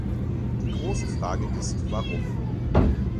Die große Frage ist, warum.